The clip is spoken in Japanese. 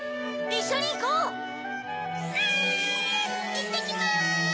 いってきます！